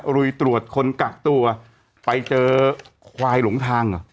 ลุยตรวจคนกักตัวไปเจอควายหลงทางเหรอ